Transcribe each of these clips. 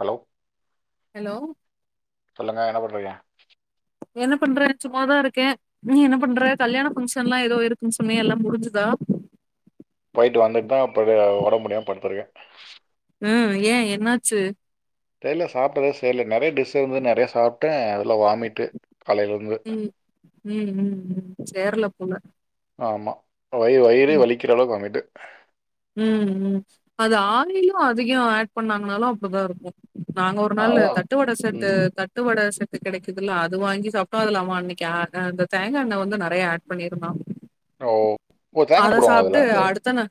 Hello hello சொல்லுங்க என்ன பண்றீக என்ன பண்றே சும்மாதா இருக்கே நீ என்ன பண்ற கல்யாண பங்க்ஷன்லா ஏதோ இருக்குனு சொன்னிய எல்லா முடிஞ்சுதா போயிட்டு வந்துட்டு தா அப்பவே ஒடம்புமுடியாம படுத்தருக்கே ஹம் ஏ என்னாச்சு தெரில சாப்ட்டதே சேர்ல நெறைய டிஷ்ஷு இருந்தது நெறைய சாப்பிட்டே அதுல வாமிட்டு காலையில இருந்து. உம் உம் உம் உம் சேரல போல ஆமா வை வைரே வலிக்கற அளவுக்கு வாமிட்டு உம் உம் அது ஆயிலும் அதிகம் ஆட் பண்ணாங்கனாலு அப்டிதா இருக்கு நாங்க ஒரு நாளு அதான். தட்டு வடை செட்டு ம். தட்டு வட செ அது கிடைக்குதல்ல அது வாங்கி சாப்டோம் அதுல அவ அன்னிக்கு அ அந்த தேங்கா எண்ண வந்து நெறைய ஆட் பண்ணிருந்தா ஓ ஓ ஓ தேங்காண்ண அத சாப்ட்டு போடுவாங்கல அதுல அடுத்த நா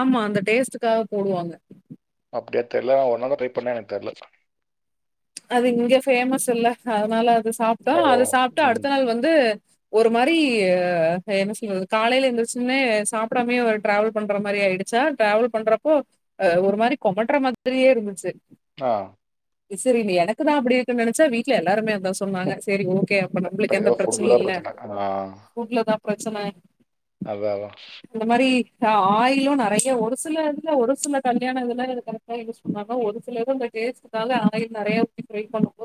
ஆமா அந்த டேஸ்டுக்காக போடுவாங்க அப்டியா தெரில ஒரு நாள் தா ட்ரை பண்ண எனக்கு தெரில அது இங்க ஃபேமஸ் இல்ல அதனால அது சாப்ட்டா ஓ! அது சாப்ட்டா ம். அடுத்த நாள் வந்து ஒரு மாரி ஹ என்ன சொல்றது காலைல எந்ரூச்சுன்னே சாப்டாமேயே ஒரு டிரவல் பண்ற மாரி ஆயிடுச்சா டிரவல் பண்றப்போ அஹ் ஒரு மாரி கொமட்டுற மாரியே இருந்துச்சு ஆஹ் சரி இது எனக்குதா அப்டி இருக்குனு நெனச்சா வீட்டுல எல்லாருமே சொன்னாங்க செரி ஓகே அப்ப இப்ப நம்மளுக்கு ஏதோ எந்த ஃபுட்ல பிரச்சனையு தான் இல் பிரச்சனை. ஃபுட்ல தா பிரச்சன அதா அதா ஆயிலு நெறைய ஒரு சில இதுல ஒரு சில கல்யாண இதுல இது கரக்டா யூஸ் பண்றாங்க ஒரு சில இது இந்த டேஸ்ட்னால ஆயில் நெறைய ஊத்தி ஃப்ரை பண்ணுவாங்க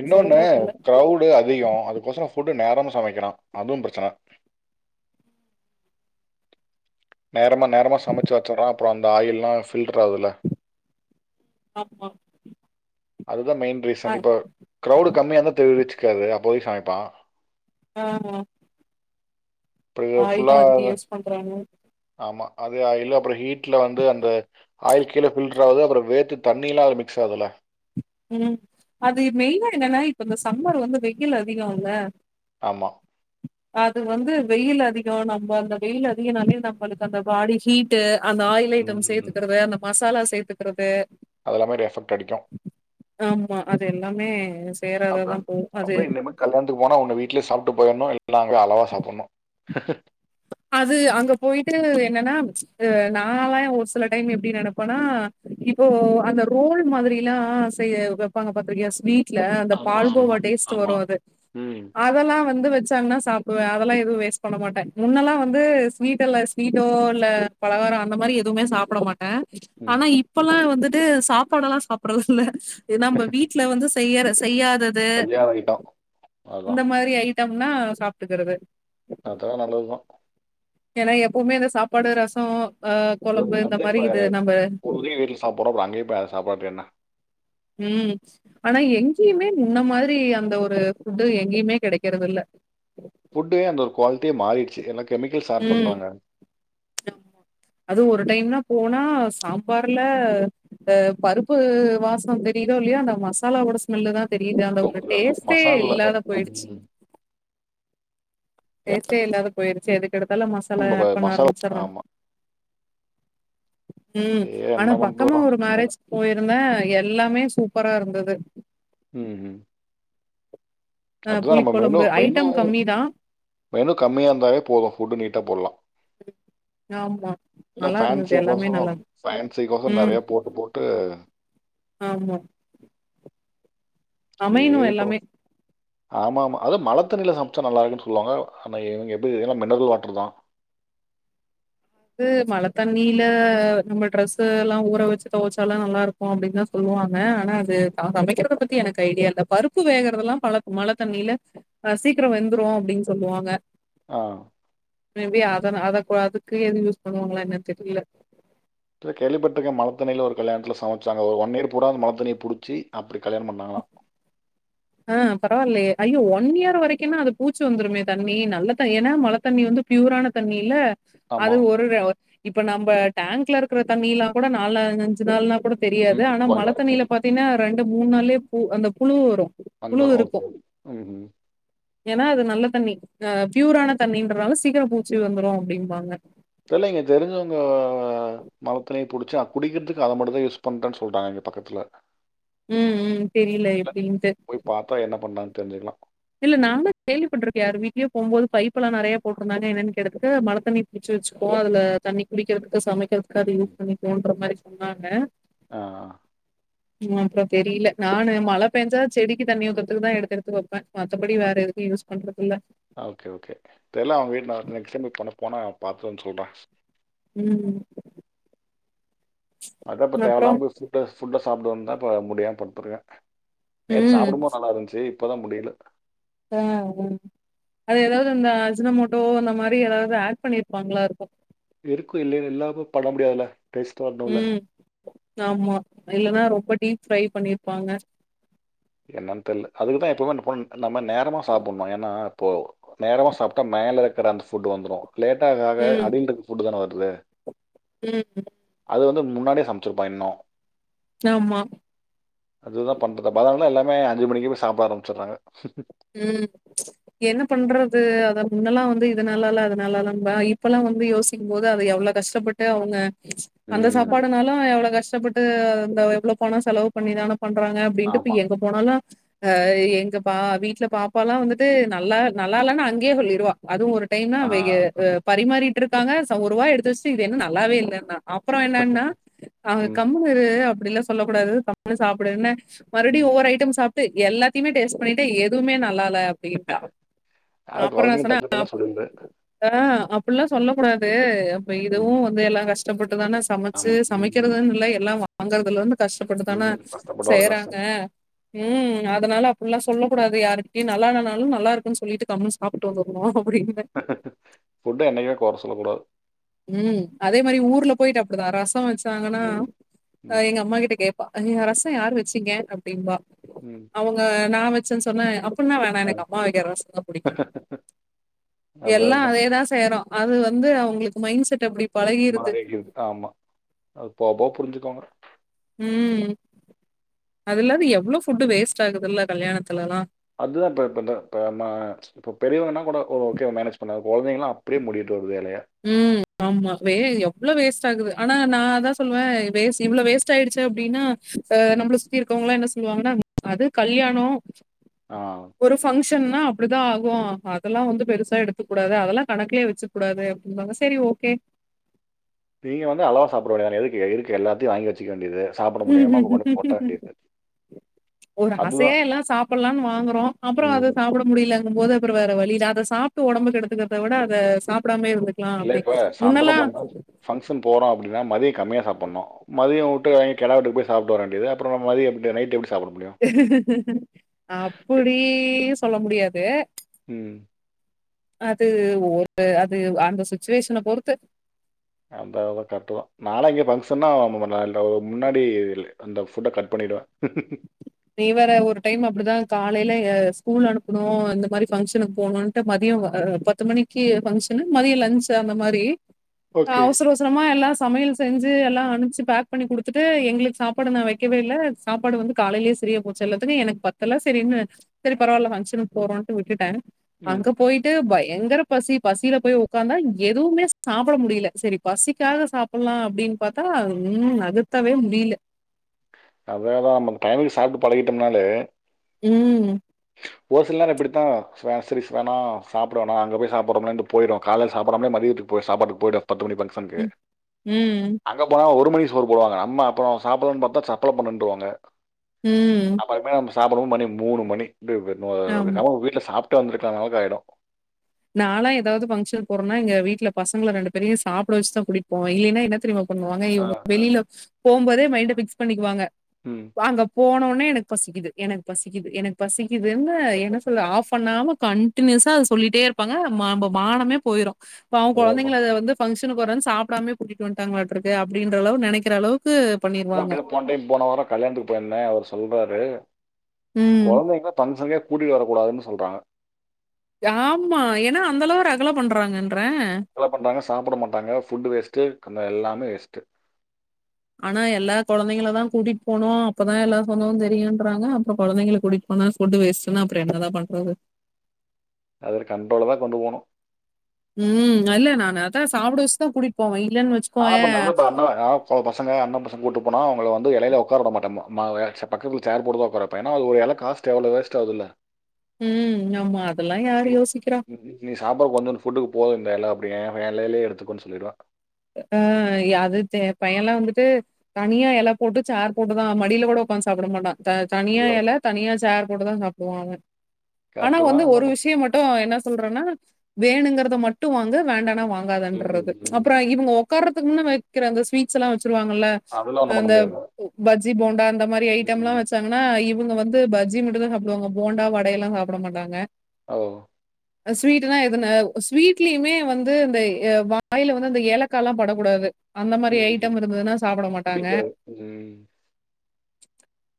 இன்னொனு கிரௌடு அதிகோ அதுக்கோசரம் ஃபுட் நேரமா சமைக்கறா அதுவு பிரச்சன நேரமா நேரமா சமைச்சு வச்சடுறா அப்பற அந்த ஆயில்லா ஃபில்டர் ஆகுதுல ஆமா அது ல மெயின் ரீசன் இப்ப க்ரௌவுடு கம்மியா தா தேரிடுச் தெர்ல அப்போய் சமைப்பா ஆ ஆ இப்டிய ஃபுல்லாவ பண்றாங்க ஆமா அதே ஆயிலு அப்றோ ஹீட்ல வந்து அந்த ஆயில் கீழே ஃபில்டர் ஆகுது அப்றோ வேட்டு தண்ணியல்லா அதுல மிக்ஸ் ஆகுதுல ம் அது மெயினா என்னன்னா இப்ப இந்த சம்மர் வந்து வெய்யில் அதிகோ இல்ல ஆமா அது வந்து வெயில் அதிகோ நம்ம அந்த வெயில் அதிகனாலே நம்மளுக்கு அந்த பாடி ஹீட்டு அந்த ஆயில் ஐட்டம் ம். சேத்துக்கிறது அந்த மசாலாஸ் சேத்துக்கிறது அது எல்லாமே ஒரு எஃபெக்ட் அடிக்கும். ஆமா அது எல்லாமே சேராததா அதான் போவூ அது டு போயிட்னு இல்ல அங் அளவா சாப்பிட்னு அது அங்க போயிட்டு என்னன்னா அ நாலா ஒரு சில டைம் எப்டி நெனப்பேனா இப்போ அந்த ரோல் மாதிரியல்லா செய்ய வெப்பாங்க பாத்திருக்கியா ஸ்வீ ட்ல அந்த ஆமா, ஆமா, பால்கோவா டேஸ்ட் ஆமா. வரூ அது ம், அதல்லா வந்து வெ சாங்னா சாப்டுவே அதல்லா எதுவூ வேஸ்ட் பண்ண மாட்டே முன்னல்லா வந்து ஸ்வீட் அல்ல ஸ்வீட்டோ இல்ல பலகாரோ அந்த மாத்ரி எதுமே சாப்பிட மாட்டே ம். ஆனா இப்பல்லா வந்துட் டு சாப்பாடு எல்லா சாப்டுறதில்ல நம்ம வீட்ல வந்து செய்ய ஸ் செய்யாதது கல்யாணம் ஆயிட்டோம். இந்த அதான். மாரி ஐட் ட்டம்னா சாப்டுக்கிறது அதா நல்லதுதா ஏனா எப்பவ்மே இந்த சாப்பாடு ரசோ ஆ அ கொழம்பு இந்த அப்டேட் மாரி இது [unintelligible] நம்ம உறுதியே வீட்ல சாப்பிட்றோ அப்றோ அங்கேயே அப்ப அத சாப்டுறதுக்கு என்ன ம் ஆனா எங்கேயுமே முன்ன மாதிரி அந்த ஒரு ஃபுட்டு எங்கேயுமே கெடைக்கிறதில்ல ஃபுட்டு அந்த குவாலிட்டியே மாறிடுச்சு எனக் ம் ஆமா அது ஒரு டைம்மு போனா சாம்பார்ல அ பருப்பு வாசோ தெரிதோ இல்லையா அந்த மசாலாவோட ஸ்மெல்லு தா தெரியுது அந்த தூக்குறாங்க டேஸ்ட்டே மசாலா இல்லாத போயிடுச்சு ம். ஏன் டேஸ்டே இல்லாதப் போயிடுச்சு அதுக் கெடுதலா மசாலா நம்ம ஆட் ப- பண்ண மசாலா ஆரம்பிச்சறாங்க ஆமா ம் ஏ ஆனா என்ன பண்ணிட்டு பக்கமா வரோம் ஒரு அதான். மேரேஜ் போயிருந்தே எல்லாமே சூப்பரா இருந்தது உம் உம் அ அதுதா நம்ம மெனு. புளிக்கொழம்பு மெனு ஐட்டம் கம்மி தா மெனு கம்மியா இருந்தாவே போது ஃபுட்டு நீட்டா போடலா ஆமா இல்ல‌ நல்லா இருந்தது எல்லாமே ஃபேன்சிக்கொசரோ நல்லா ஃபேன்சிக்கொசரோ இரு ம் நிறைய போட்டு போட்டு ஆமா அமையனு சரி ப்ரோ எல்லாமே ஆமா ஆமா அது மழத்தண்ணியில சமைச்சா நல்லா இருக்குன்னு சொல்லுவாங்க. ஆனா இவங்க எப்படின்னா மினரல் வாட்டர் தான் அது மழை தண்ணீல நம்ம டிரரெஸு எல்லா ஊற வச்சு துவைச்சாலு நல்லா இருக்கு அப்படின்னுதா சொல்லுவாங்க ஆ ஆனா அது சமைக்கறத பத்தி க்கு ஐடியா இல்ல. பருப்பு வேகறதெல்லா பல மழ தண்ணியில அஹ் சீக்ரோ வெந்துரு அப்படின்னு சொல்லுவாங்க ஆஹ் மே‌பி அது அதது எது யூஸ் பண்ணுவாங்களா என்ன தெரியல ட்ரு கேள்விப்பட்டிருக்க. மழத்தண்ணில ஒரு கல்யாணத்துல சமைச்சாங்க ஒரு ஒன் இயர் பூரா அந்த மழைதண்ணிய புடிச்சி அப்படி கல்யாணம் பண்ணாங்காளா ஆ பரவால்லயே ஐயோ ஒன் இயர் வரைக்கும்ன்னா அது பூச்சி வந்துருமே தண்ணி. நல்ல த ஏன்னா மழை தண்ணி வந்து ப்யூரான தண்ணில்ல ஆமா அது ஒரு இப்ப நம்ம டேங்க்ல இருக்கற தண்ணிலல்லா கூட நால அஞ்சு நாள்ல்லாம் கூட தெரியாது ம் ஆனா மழ போயிடும் தண்ணியில பாத்தீங்கன்னா ரெண்டு மூணு நாளே பு அந்த புழு வரும் புழு அந்த உம் ஏனா அது நல்ல தண்ணி அஹ் ப்யூரான தண்ணின்றனால சீக்கிரம் பூச்சி வந்துரு அப்டிம்பாங்க தெரில்லங்க தெரிஞ்சவங்க ஆஹ் மழத்தண்ணிய புடிச்சு குடிக்கிறதுக்கு அத மட்டு தா யூஸ் பண்றேன்னு சொல்றாங்க இங்க பக்கத்துல உம் உம் தெரியல எப்படின்னுட்டு தெரிஞ்சுக்கலா இல்ல நானு கேள்விப்பட்டிருக்க யாரு வீட்லயோ போகும் போது பைப்பெல்லாம் நெறைய போட்டிருந்தாங்க. என்னன்னு கேட்டத்துக்கு மழை தண்ணிய புடிச்சு வெச்சுக்குவோ. தண்ணி குடிக்கறதுக்கு சமைக்கறதுக்கு எதுகாது அது யூஸ் பண்ணினோன்ற மாரி ஆமாங்க ஆஹ் உ அப்ரோ தெரியல நானு மழ பேஞ்சா செடிக்கு தண்ணி ஊத்தறதுக்குக்கு தா எடுத்து எடுத்து வைப்ப ஆ ஓகே ஓகே தெர்ல. அவங்க வீட்டுக்கு நெக்ஸ்டைம் போனா பாத்துட் வந்து சொல்ற உம் அதா இப்ப தேவ‌ இல்லாம போய் சுட‌சுட சாப்ட்டு வந்துதா இப்ப முடியாம படுத்தருக்க நேத்து ம் சாப்டும்போது நல்லா இருந்துச்சு இப்பதா முடில ஆஹ் அது எதாவது இந்த அஜ்னமோட்டோ அந்த மாதிரி எதாவது ஆட் பண்ணிருப்பாங்களா இருக்கு இருக்கு இல்லினா இல்லாம பண்ண முடியாதுல்ல டேஸ்ட் வரணும்ல. உம் ஆமா இல்லனா ரொம்ப டீப் ஃப்ரை பண்ணிருப்பாங்க என்னன் தெர்ல அதுக்குதா எப்பவு [unintelligible] நம்ம நேரமா சாப்புட்னு ஏன்னா அப்போ நேரமா சாப்ட்டா மேல இருக்குற அந்த ஃபுட் வந்துரு லேட்டாக ஆக ம் அடியிலருக்குற ஃபுட்டு தான வருது ம் அது வந்து முன்னாடியே சமச்சிருப்பா இன்னு ஆமா அதுதா பண்ற தப் அத்னாலா எல்லாமே அஞ்சு மணிக்கு போய் சாப்ட ஆரம்மிச்சிர்றாங்க ம் என்ன பண்றது அத முன்னல்லா வந்து இது நல்லால்ல அது நல்லால்லம்ப இப்போல்லா வந்து யோசிக்கும் போது அத எவ்ளோ கஷ்ட்டப்பட்டு அவுங்க அந்த ம். ம். சாப்பாடுனாலு எவ்ளோ கஷ் டப்பட்டு அந்த எவ்ளோ பணொ செலவு பண்ணிதானா பண்றாங்க அப்டின்டு இப்ப ஆமா. எங்க போனாலு ஆ எங்கப்பா வீட் ல பாப்பாலா வந்துட்டு நல்லா நல்லால்லனு அங்கயே சொல்லிருவா அதுவு ஒரு டைமு ஆ. வேக அ பரிமாறி ட்ருக்காங்க ச ஒரு வா எடுத்து வஷ்ட்டு இது என்ன நல்லாவே இல்லன்னா அப்பறோ என்னன்னா அவ ம். கம்முனு இரு அப்டிலா சொல்லக் கூடாது கம்முனு சாப்புடுன்னு மறுவ்டி ம். ஒவ்வொர் ஐட்டம் சாப் டு எல்லாத்தைமே டேஸ்ட் பண்ணிட்ட எ துமே நல்லால் ல அப்டின்ட்டா நா அதான் அப்பறொ குழந்தைங்க சொன்னா டக்கு டக்குன்னு சொல்லிடுது. [inaudible] அப்புல்லா சொல்லக் கூடாது இப்ப இதுவு ம். வந்து எல்லா கஷ் டப்பட் டுதான சமச்சி ஆமா. ம். ம். சமைக்கிறதுன் இல்ல எல்லாம் வா [unintelligible] கஷ்ட்டப்பட்டு ம். தானத கஷ்டப்பட்ட ஒரு செய்றாங்க கஷ்டம். ம் அதனால அப்புல்லா சொல்லக் கூடாது யாருக்கிட்டியு நல்லால்லனாலு நல்லாருக்குன் சொல்லிட்டு கம்முன் சாப்ட்டு வந்துர்னு ஃபுட்ட என்னைக்மே கொற சொல்லக் கூடாது ம் அதே மாரி ஊர்ல போயிட்டு அப்டிதா ரசொ வச் டாங்கனா ம். அ ம். எங்க அம்மா கிட்ட கேப் ப்பா அ ரசொ யாரு வெச்சீங்க அப்டிம்பா ம். அவுங்க நா வச் ஸ்னு சொன்னே அப் புனா வேணா அ எனக்கு அம்மா வெக்கற ரசந்தா புடிக்குன்வாங்க எல்லா அதான் அதேதா செய்யறோ அது வந்து அவுங்களுக் மைண்ட் செட் அப்டி மாறிக்கிது ஆமா அது போவ போவ புரிஞ்சுக்வாங்க ம் அது இல்லாத எவ்ளோ ஃபுட்டு வேஸ்ட் ஆகுதுல்ல கல்யாணத்துல எல்லா அதுதா இப்ப இப இந்த ம இப்ப பெரியவங்கனா கூட ஓகே மேனேஜ் பண்ண குழந்தைங்ளா அப்டியே மூடிட்டு வரு ம் ஆமா வே எவ்ளோ வேஸ்ட் ஆகுது ஆனா நா அதா சொல்வ வேஸ் இவ்ள வேஸ்ட் ஆயிடுச்சு அப்டின்னா அ ம். நம்மள சுத்தி இருக்கவங்ளா என்ன சொல்வாங்னா அது கல்யாண ஆ. ஒரு பங்க்ஷ ன்னா அப்படிதா ஆகு அதெல்லா வந்து பெருசா எடுத்துக்க கூடாது அதெலா கணக்குலயே வெச்சுக்க கூடாது சொல்வாங்க செரி ஓகே நீங்க வந்து அளவா சாப்ட வேண்டியதான எதுக்கு இருக்க எல்லாத்தையு வாங்கி வெச்சுக்க ஒரு ஆசையா அதுதான் எல்லா சாப்பல்லான் வாங்கறோ அப்பற ம் அத சாப்பிட முடிலங் கும்போது அப்புற வேற வழியில அத சாப்ட்டு ஒடம்ப கெடுத்துக்கறத விட அத சாப் இல்ல இப்ப சாயந்தர போறோ பங்க்ஷன் போறோ அப்டின்னா மதிய கமியா சாப்படணு மதிய உட்டு வாங்கி கெடா வெட்டுக் போயி சாப்ட்டு வர வேண்டிது அப்பற மதிய எப் நைட் எப்டி அப்புடியு சொல்ல முடியா து ம் அது ஒரு அது அந்த சுச்சுவேஷன பொறுத்து அதா அதா கரெக்ட்டு தா நான்லா இங்க ஃபங்க்ஷன்னா முன்னால ஒரு முன்னாடி இ அந்த ஃபுட்ட கட் பண்ணிடுவே நீ வேற ஒரு டைமு அப்டிதா காலையில எ ஸ்கூல் அனுப்புனு இந்த மாரி ஃபங்க்ஷனுக்கு போணுன்ட்டு மதியம் பத்து மணிக்கு ஃபங்க்ஷனு மதியம் லன்ச் அந்த மாரி ஓகே அவசர அவசரமா எல்லா சமையல் செஞ்சு எல்லா அனுப்ச்சு பேக் பண்ணி குடுத்துட்டு எங்களுக்கு சாப்பாடு நா வைக்கவே இல்ல சாப்பாடு வந்து காலையிலேயே சரியாபோச்சு எல்லாத்துக்கு எனக்கு பத்தல சேரின்னு சேரி பரவால்ல ஃபங்க்ஷனுக்கு போறோன்ட்டு விட்டுட்ட ம் அங்க போயிட்டு பய ங்கிற பசி பசியில போய் உக்காந்தா எதுவுமே சாப்ட முடியல சேரி பசிக்காக சாப்புட்லா அப்டின்னு பாத் த்தா ம் நகத்தாவே முடில அததா நம்ம அந்த டைமுக்கு சாப்ட்டு பழகிட்டோம்னாலே ம் ஒரு சில நேரம் இப்டித்தா ச சேரி வேணா சாப்ட வேணா அங்க போய் சாப்புட்றோமேன்ட்டு போயிட்றோ காலைல சாப்டாமலே மதியத்துக்கு போ சாப்பாட்டுக்கு போயிடு பத்து மணி ஃபங்க்ஷனுக்கு ம், அங்க போனா ஒரு ஒரு மணிக்கு சோறுபோடுவாங்க, நம்ம அப்பறோ சாப்புட்லானு பாத்தா சா கொலப்பண்ணேன்றுவாங்க ம். அப்பற மேம்ஸ் சாப்டவும் மணி மூணு மணி [unintelligible] ஆமா. வீட்டுல சாப் விட்டு வந்திருக்ற அளவுக்கு ஆயிடும் நாலா ஏதாவது பங்க்ஷன் போறனா எங்க வீட்ல பசங்க ரெண்டு பேரையும் சாப்பிட வச்தான் கூட்டிட்டுபோவேன் இல்லைன்னா என்ன தெரியுமா பண்ணுவாங்க ஆ இவங்க ஆ. வெளியில போவும்போதே மைண்ட பிக்ஸ் பண்ணிக்குவாங்க ம் வாங்க போன உட் உடனே எனக்கு பசிக்குது எனக்கு பசிக்குது எனக்கு பசிக் இது என்ன என்ன சொல்ல ஆஃப் பண்ணாம கண் கன்டினுயூசா அத சொல்லிட்டே இருப் இருப்பாங்க நம்ம மானமே போயிரும் இப்ப அவங் குழந்தைங்கள அதான் இத வந்து பங்க்ஷ [unintelligible] போறேன் சாப்டாம கூட்டிட்டு வந்ட்டாங்களாட்டற்கு அப்படின்ற அளவு நினைக்கிற அளவுக் அப்டிதா போன் டைம் போன வாரம் கல்யாணத்துக்கு போயிருந்தே அவர் சொல்றாரு ம். குழந்தைங்க ஃபங்ஷன்க்கே கூட்டிட்டு வரக்கூடாதுன்னு சொல்றாங்க ஆமா ஏன்னா அந்த அளவு ரகல பண்றாங்கன் ரகலை பண்றாங்க சாப்பிட மாட்டாங்க ஃபுட் வேஸ்ட்டு [unintelligible] எல்லாமே வேஸ்ட்டு ஆனா எல்லா கொழந்தைங்களதா கூட்டிட்டு போனோம் அப்பதான் எல்லா சொந்தமும் தெரியும்ன்றாங்க அப்புறம் கொழந்தைங்கள கூட்டிட்டு போனா ஃபுட்டு வேஸ்ட்டுன்னா அப்புறம் என்னதான் பண்றது அத கண்ட்ரோல தான் கொண்டு போவ்னும் உம் அல்ல நானு அதான் சாப்பிட வச்சுதான் கூட்டிட்டு போவேன் இப் ஆளப்பன் நல்ல [unintelligible] பசங்க அண்ணே பசங் கூட்டு போனா அவங்கள வந்து இலயில உக்கார உடமாட்டேன் ம என் பக்கத்தில சேர் போட்டுதான் உக்கார வைப்பேன் ஏன்னா அது ஒரு இல காஸ்ட் எவ்ளோ வேஸ்ட் ஆவுதுல்ல ம் [unintelligible] யோசிக்கிறா நீ சாப்பாடு வந்துட்னே ஃபுட்டு போதும்டா எல்லாம் அப்டி ஏன் எலயிலே எடுத்துக்கேன்னு சொல்லிடுவேன் அஹ் அது தெப் பையன்லாம் வந்துட்டு தனியா எல போட்டு சார் போட்டுதான் மடியில கூட உக்காந்து சாப்பட மாட்டான் த தனியா எல தனியா சேர் கூடதா சாப்பிடுவா அவன் ஆனா கரெக்டு வந்து தான் என்ன ஒரு பண்ண விஷயம் மட்டும் என்னா சொல்றேன்னா வேணுங்கிறத மட்டும் வாங்கு வேண்டானா வாங் ம், காதன்றது, ம், அப் ம். [unintelligible] இவங்க ஒர்க் உக்காரத்துக்கு முன்ன வக்கிர அந்த ஸ்வீ்ட்ஸ் எல்லா வச் [unintelligible] அதெல்லாம் ஆ ஒன்றும் பண்ண அந்த முடியாது பஜ்ஜி போண்டா அந்தமாரி ஐட்டம்லா ம். வச்சாங்கன்னா இப் இவுங்க வந்து பஜ்ஜி மட்டு தா சாப்டுவாங்க போண்டா வடையெல்லா சாப்புட மாட்டாங்க ஒ ஸ்வீட்டுனா எதன ஸ்வீட்லியுமே வந்து இந்த ஆ வாயில வ அந்த ஏலக்காலா படக்கூடாது அந்த மாதிரி ம், ம். ஐட்டம் இருந்ததுன்னா சாப்பட மாட்டாங்க பிடிக்காது ம்.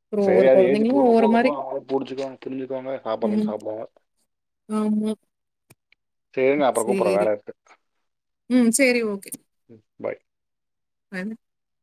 அப்புறம் சரி ஒவ்வொரு அது ஏஜ் குழந்தைங்களும் போக ஒவ்வொரு போக மாரி. போக அவங்களே புடிச்சுக்குவாங்க புரிஞ்சிக்குவாங்க சாப்புட்றேன்னு ம். சாப்டுவாங்க ஆமா செரி இருங்க அப்றோ கூப்புறே சரி. வேலருக்கு ம் சேரி ஓகே ம் பை [unintelligible]